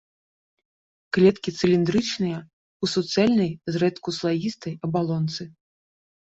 Клеткі цыліндрычныя, у суцэльнай, зрэдку слаістай абалонцы.